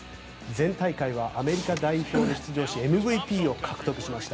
前大会はアメリカ戦に出場しＭＶＰを獲得しました。